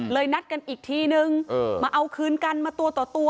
นัดกันอีกทีนึงมาเอาคืนกันมาตัวต่อตัว